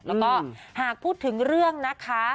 แล้วก็หากพูดถึงเรื่องนะคะ